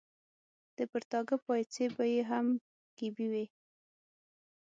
د پرتاګه پایڅې به یې هم ګیبي وې.